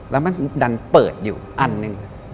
แล้วมันดันเปิดอยู่อันหนึ่ง